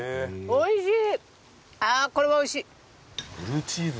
おいしい。